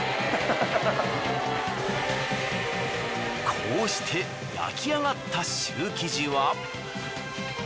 こうして焼きあがったシュー生地は。